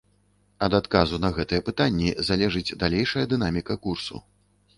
Ад адказу на гэтыя пытанні залежыць далейшая дынаміка курсу.